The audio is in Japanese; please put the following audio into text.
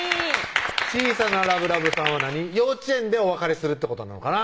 小さなラブラブさんは幼稚園でお別れするってことなのかな？